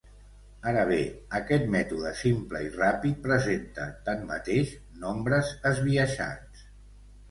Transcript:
Ara bé, aquest mètode simple i ràpid presenta, tanmateix, nombres esbiaixats.